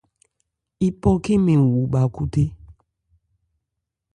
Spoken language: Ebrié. Yípɔ khɛ́n mɛn wu bha khúthé.